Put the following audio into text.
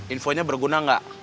infonya berguna nggak